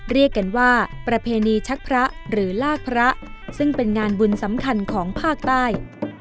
เรียกกันว่าประเพณีชักพระหรือลากพระซึ่งเป็นงานบุญสำคัญของภาคใต้